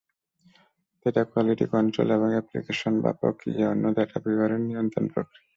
Data quality control একটি application বা প্রক্রিয়া জন্য ডেটা ব্যবহারের নিয়ন্ত্রণ প্রক্রিয়া।